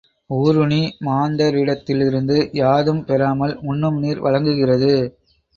ஊருணி, மாந்தரிடத்திலிருந்து யாதும் பெறாமல் உண்ணும் நீர் வழங்குகிறது.